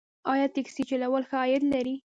آیا ټکسي چلول ښه عاید لري؟